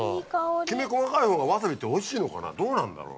きめ細かいほうがわさびっておいしいのかなどうなんだろう？